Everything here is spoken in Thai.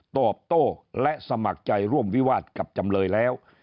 ตอบโต้และสมัครใจร่วมวิวาสกับจำเลยแล้ว